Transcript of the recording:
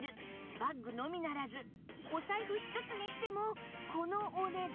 バッグのみならずお財布一つにしてもこのお値段